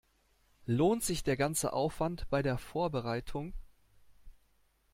Lohnt sich der ganze Aufwand bei der Vorbereitung?